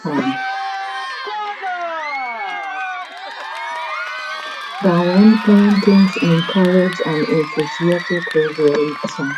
Delaunay's paintings encouraged an enthusiastic response with Blaue Reiter.